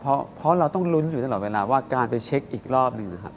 เพราะเราต้องลุ้นอยู่ตลอดเวลาว่าการไปเช็คอีกรอบหนึ่งนะครับ